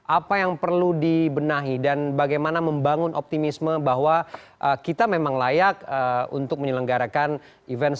apa yang perlu dibenahi dan bagaimana membangun optimisme bahwa kita memang layak untuk menyelenggarakan event ini